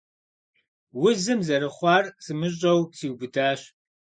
Узым, зэрыхъуар сымыщӀэу, сиубыдащ.